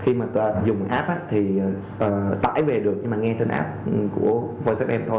khi mà ta dùng app thì tải về được nhưng mà nghe trên app của voice app em thôi